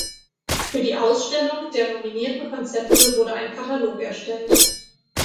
Für die Ausstellung der nominierten Konzepte wurde ein Katalog erstellt.